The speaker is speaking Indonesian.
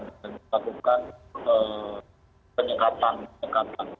dan kita lakukan peningkatan peningkatan